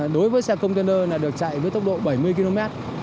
đối với xe container được chạy với tốc độ bảy mươi km